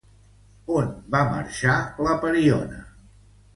On va marxar la pariona?